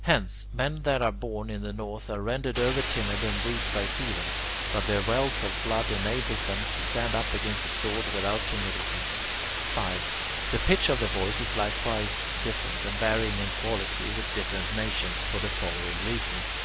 Hence, men that are born in the north are rendered over timid and weak by fever, but their wealth of blood enables them to stand up against the sword without timidity. 5. The pitch of the voice is likewise different and varying in quality with different nations, for the following reasons.